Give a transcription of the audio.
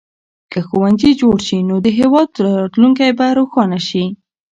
که ښوونځي جوړ شي نو د هېواد راتلونکی به روښانه شي.